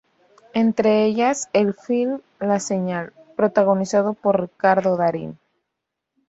Entre ellas, el film "La señal", protagonizado por Ricardo Darín.